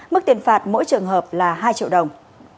mức tiền phạt mỗi trường hợp là hai triệu đồng